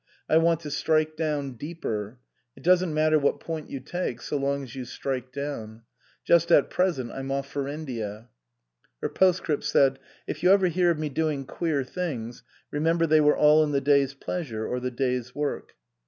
I want to strike down deeper. It doesn't matter what point you take, so long as you strike down. Just at present I'm off for India." Her postscript said : "If you ever hear of me doing queer things, remember they were all in the day's pleasure or the day's work."